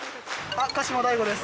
鹿島大悟です。